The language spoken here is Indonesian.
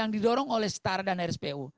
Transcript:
yang didorong oleh star dan rspu